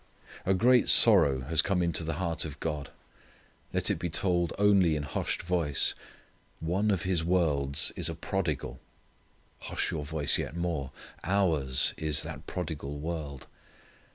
A great sorrow has come into the heart of God. Let it be told only in hushed voice one of His worlds is a prodigal! Hush your voice yet more ours is that prodigal world.